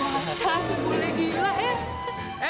masa boleh gila ya